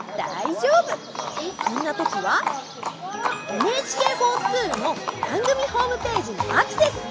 「ＮＨＫｆｏｒＳｃｈｏｏｌ」のばんぐみホームページにアクセス！！